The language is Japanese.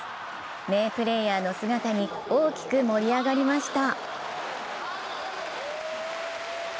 名プレーヤーの姿に大きく盛り上がりました。